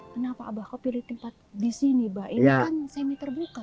kenapa abah kau pilih tempat di sini mbak ini kan semi terbuka